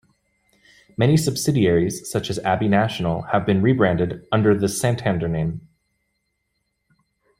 Many subsidiaries, such as Abbey National, have been rebranded under the Santander name.